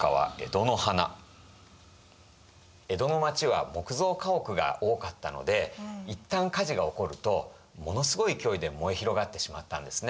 江戸の町は木造家屋が多かったのでいったん火事が起こるとものすごい勢いで燃え広がってしまったんですね。